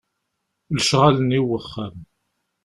Lecɣal-nni n uxxam.